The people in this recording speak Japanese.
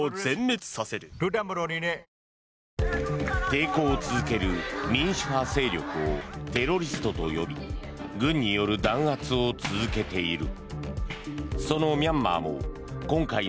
抵抗を続ける民主派勢力をテロリストと呼び軍による弾圧を続けている。